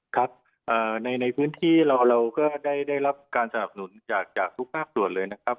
ครับในพื้นที่เราก็ได้รับการสนับสนุนจากทุกภาคส่วนเลยนะครับ